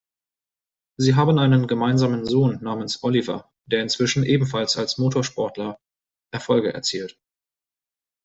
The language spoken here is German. Sie haben einen gemeinsamen Sohn namens Oliver, der inzwischen ebenfalls als Motorsportler Erfolge erzielt.